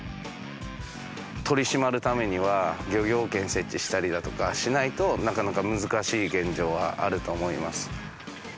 取り締まるためには漁業権設置したりだとかしないとなかなか難しい現状はあると思います。